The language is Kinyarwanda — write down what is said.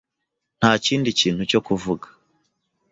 Nta kindi kintu cyo kuvuga.